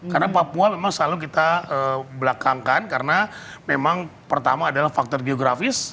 karena papua memang selalu kita belakangkan karena memang pertama adalah faktor geografis